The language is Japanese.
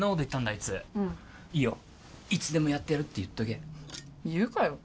あいついいよいつでもやってやるって言っとけ言うかよ